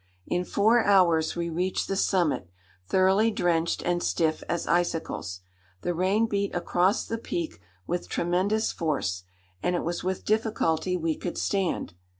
In four hours we reached the summit, thoroughly drenched, and stiff as icicles. The rain beat across the peak with tremendous force, and it was with difficulty we could stand.